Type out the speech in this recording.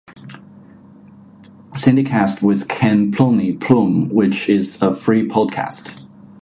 Snydecast" with Ken "Plumey" Plume, which is a free podcast.